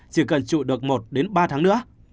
chỉ cần trụ được một ba tháng nữa